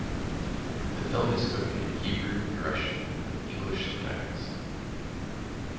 The film is spoken in Hebrew and Russian with English subtitles.